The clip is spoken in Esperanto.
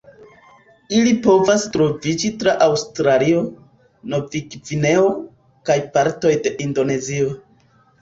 Ili povas troviĝi tra Aŭstralio, Novgvineo, kaj partoj de Indonezio.